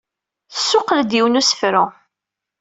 Tessuqqel-d yiwen n usefru.